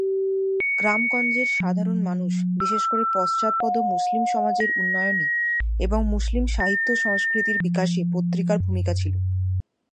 গ্রাম-গঞ্জের সাধারণ মানুষ, বিশেষ করে পশ্চাৎপদ মুসলিম সমাজের উন্নয়নে এবং মুসলিম সাহিত্য-সংস্কৃতির বিকাশে পত্রিকার ভূমিকা ছিল।